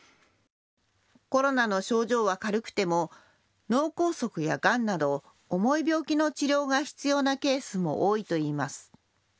コロナの症状は軽くても脳梗塞やがんなど重い病気の治療が必要なケースも多いと言います。